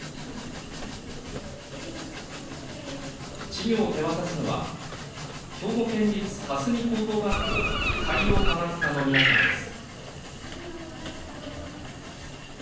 稚魚を手渡すのは兵庫県立香住高等学校海洋科学科の皆さんです。